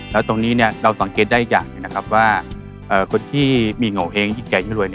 แล้วตรงนี้เราสังเกตได้อีกอย่างหนึ่งนะครับว่าคนที่มีโงเห้งยิ่งแก่ยิ่งรวย